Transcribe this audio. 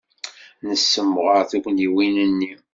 Nessemɣer tugniwin-nni.